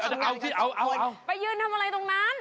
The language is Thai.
คนชนะค่ะเอาไม่เป็นไรคุณขี้ชายทำอะไรไปตรงนั้น